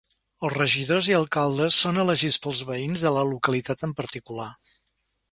Els regidors i alcaldes són elegits pels veïns de la localitat en particular.